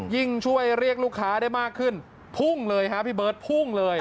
ยิ่งช่วยเรียกลูกค้าได้มากขึ้นพุ่งเลยฮะพี่เบิร์ตพุ่งเลย